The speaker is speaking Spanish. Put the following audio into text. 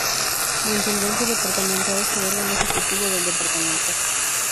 La Intendencia Departamental es el órgano ejecutivo del departamento.